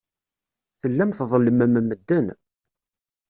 Tellam tḍellmem medden.